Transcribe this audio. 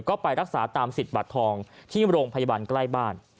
ก็ไปรักษาตามสิทธิ์บัตรทองที่โรงพยาบาลใกล้บ้าน